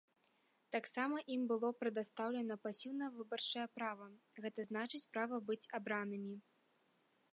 Таксама ім было прадастаўлена пасіўнае выбарчае права, гэта значыць права быць абранымі.